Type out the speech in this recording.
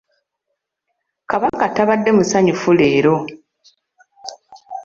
Kabaka tabadde musanyufu leero.